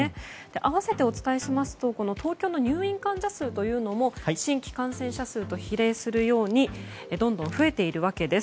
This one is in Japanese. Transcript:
併せてお伝えしますと東京の入院患者数というのも新規感染者数と比例するようにどんどん増えているわけです。